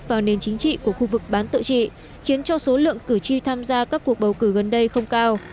vào nền chính trị của khu vực bán tự trị khiến cho số lượng cử tri tham gia các cuộc bầu cử gần đây không cao